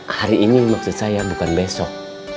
hari ini maksud saya bukan besok